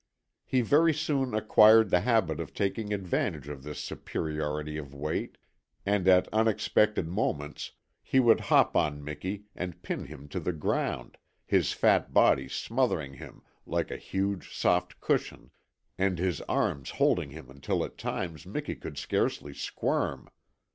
He very soon acquired the habit of taking advantage of this superiority of weight, and at unexpected moments he would hop on Miki and pin him to the ground, his fat body smothering him like a huge soft cushion, and his arms holding him until at times Miki could scarcely squirm.